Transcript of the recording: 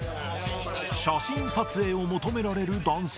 写真撮影を求められる男性。